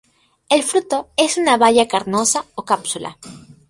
El fruto es una baya carnosa o cápsula.